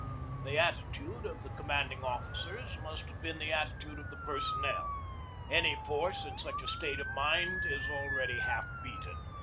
The attitude of the com manding officers must have been the attitude of the personnel. Any force in such a state of mind is al ready half beaten.